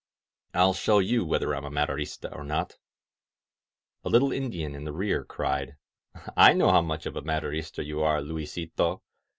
I'll show you whether I'm a Maderista or not !" A little Indian in the rear cried: "I know how much of a Maderista you are, Luisito.